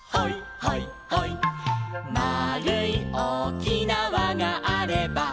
「まあるいおおきなわがあれば」